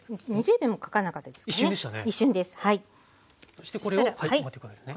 そしてこれを持っていくんですね。